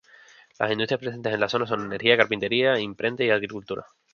Las industrias presentes en la zona son: energía, carpintería, imprenta y agricultura.